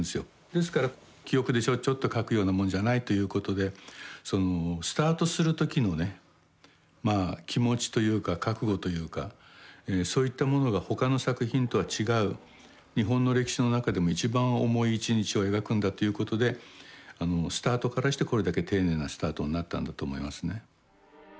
ですから記憶でちょっちょっと書くようなもんじゃないということでそのスタートする時のねまあ気持ちというか覚悟というかそういったものが他の作品とは違う日本の歴史の中でも一番重い一日を描くんだということでスタートからしてこれだけ丁寧なスタートになったんだと思いますね。